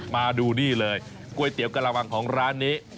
มาดูนี่เลยก๋วยเตี๋ยวกระวังของร้านนี้